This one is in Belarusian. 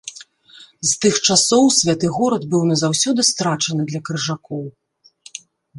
З тых часоў святы горад быў назаўсёды страчаны для крыжакоў.